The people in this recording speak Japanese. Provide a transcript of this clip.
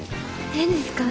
ええんですか？